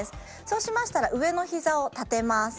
そうしましたら上の膝を立てます。